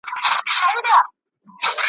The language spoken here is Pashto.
دګودر په لار روانه شالیلا